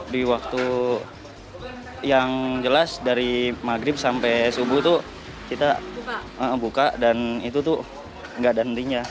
di waktu yang jelas dari maghrib sampai subuh tuh kita buka dan itu tuh gak ada hentinya